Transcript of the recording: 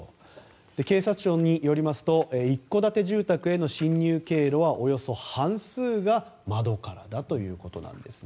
警察庁によりますと一戸建て住宅への侵入経路はおよそ半数が窓からだということなんですね。